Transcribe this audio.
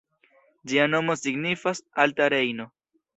Ĝia nomo signifas “alta Rejno”.